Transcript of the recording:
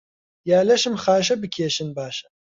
یا لەشم خاشە بکێشن باشە